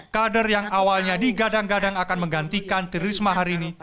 kader yang awalnya digadang gadang akan menggantikan tirisma harini